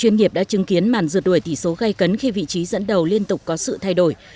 hội gốc tp hà nội đã chứng kiến màn rượt đuổi tỷ số gây cấn khi vị trí dẫn đầu liên tục có sự thay đổi